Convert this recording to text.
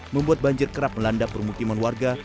membuat banjir kerap melanda permukiman warga